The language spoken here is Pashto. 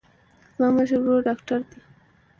زما مشر ورور ډاکتر دی.